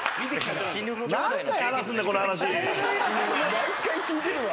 毎回聞いてるわ。